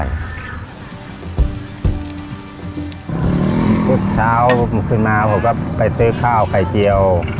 ทุกเช้าขึ้นมาผมก็ไปซื้อข้าวไข่เจียว